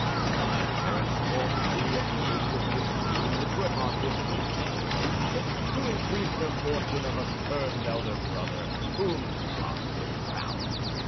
My parents forced me at the age of fifteen to put on this detestable habit, to increase the fortune of a cursed elder brother, whom God confound.